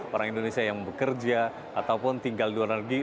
orang indonesia yang bekerja ataupun tinggal di luar negeri